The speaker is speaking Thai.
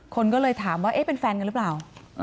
คนก็เลยถามว่าเอ๊ะเป็นแฟนกันหรือเปล่า